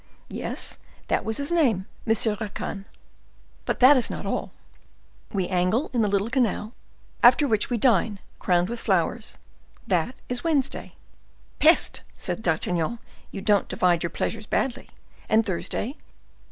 "Yes, that was his name—M. Racan. But that is not all: we angle in the little canal, after which we dine, crowned with flowers. That is Wednesday." "Peste!" said D'Artagnan; "you don't divide your pleasures badly. And Thursday?